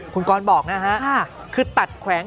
คุณกรบอกนะฮะคือตัดแขวง